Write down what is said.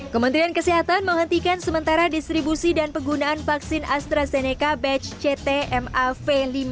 kementerian kesehatan menghentikan sementara distribusi dan penggunaan vaksin astrazeneca batch ctmav lima ratus empat puluh tujuh